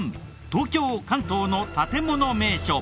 東京・関東の建もの名所。